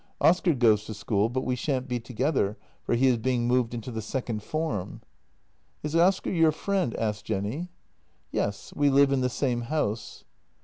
Oscar goes to school, but we shan't be together, for he is being moved into the second form." " Is Oscar your friend? " asked Jenny. "Yes; we live in the same house."